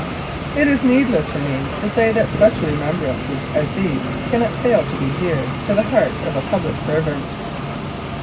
It is needless for me to say that such remembrances as these cannot fail to be dear to the heart of a public servant.